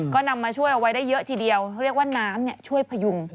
ก็นำมาช่วยเอาไว้ได้เยอะทีเดียวเขาเรียกว่าน้ำช่วยพยุง